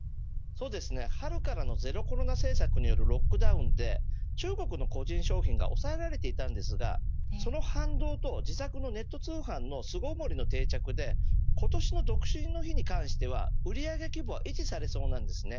そうですね、春からのゼロコロナ政策によるロックダウンで中国の個人消費が抑えられていましたがその反動と自宅のネット通販の定着で今年の独身の日に関しては売上規模は維持されそうなんです。